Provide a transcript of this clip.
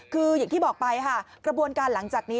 คืออย่างที่บอกไปค่ะกระบวนการหลังจากนี้